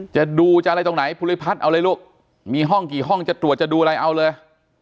จะดูจะอะไรตรงไหนภูริพัฒน์เอาเลยลูกมีห้องกี่ห้องจะตรวจจะดูอะไรเอาเลย